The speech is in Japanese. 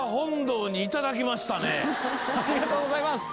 ありがとうございます！